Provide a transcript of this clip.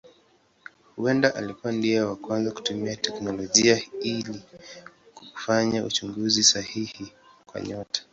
Huenda alikuwa ndiye wa kwanza kutumia teknolojia ili kufanya uchunguzi sahihi wa nyota.